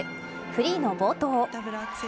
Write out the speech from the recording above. フリーの冒頭。